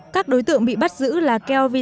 các đối tượng bị bắt giữ là keo vinh